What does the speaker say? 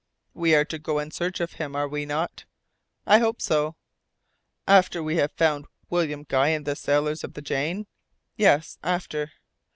"We are to go in search of him, are we not?" "I hope so." "After we shall have found William Guy and the sailors of the Jane!" "Yes, after."